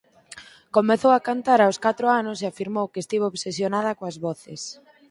Comezou a cantar aos catro anos e afirmou que estivo obsesionada coas voces.